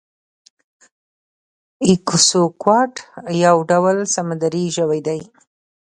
ایکسکوات یو ډول سمندری ژوی دی